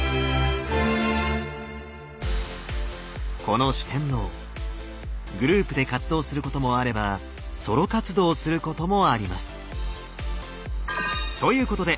この四天王グループで活動することもあればソロ活動することもあります。